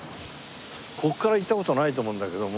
ここから行った事ないと思うんだけども。